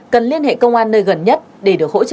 cần liên hệ công an nơi gần nhất để được hỗ trợ kịp thời